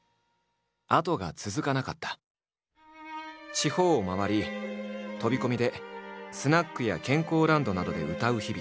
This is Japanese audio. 地方を回り飛び込みでスナックや健康ランドなどで歌う日々。